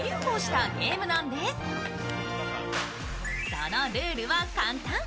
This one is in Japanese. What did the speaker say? そのルールは簡単。